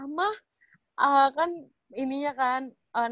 amah kan ininya kan